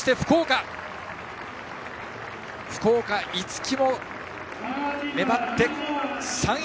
福岡、逸木も粘って３位。